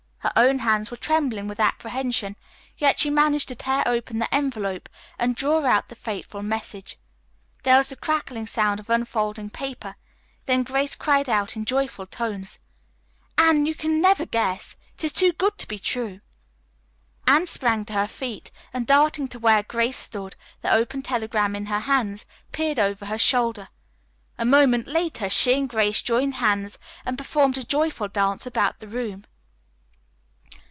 Her own hands were trembling with apprehension, yet she managed to tear open the envelope and draw out the fateful message. There was the crackling sound of unfolding paper, then Grace cried out in joyful tones: "Anne, you never can guess! It is too good to be true!" Anne sprang to her feet, and darting to where Grace stood, the open telegram in her hands, peered over her shoulder. A moment later she and Grace joined hands and performed a joyful dance about the room.